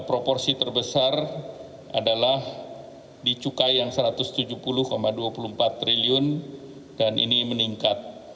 dan proporsi terbesar adalah di cukai yang satu ratus tujuh puluh dua puluh empat triliun dan ini meningkat